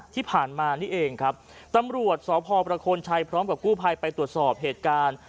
ตำรวจสภประโคนชัยพร้อมกับกู้ภัยไปตรวจสอบเหตุการณ์